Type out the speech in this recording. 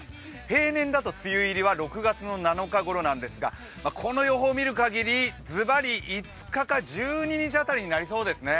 平年だと梅雨入りは６月７日ごろなんですが、この予報を見る限り、ズバリ、５日か１２日辺りになりそうですね。